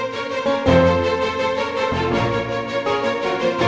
tapi kan kita bisa berdoa